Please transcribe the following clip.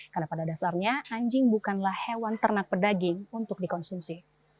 karena pada dasarnya anjing bukanlah hewan ternak pedaging untuk dikonsumsi